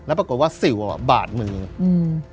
แล้วปรากฏว่าสิวอ่ะบาดมืออืม